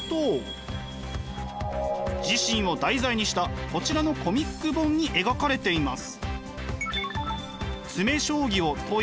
自身を題材にしたこちらのコミック本に描かれています。